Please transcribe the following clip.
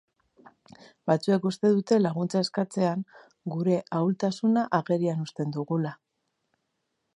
Batzuek uste dute laguntza eskatzean gure ahultasuna agerian uzten dugula.